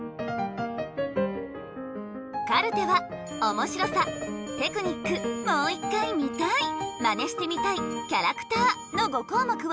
カルテは「おもしろさ」「テクニック」「もう１回見たい」「マネしてみたい」「キャラクター」の５項目を１０点満点で評価。